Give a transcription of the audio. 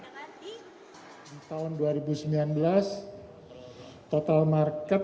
di tahun dua ribu sembilan belas total market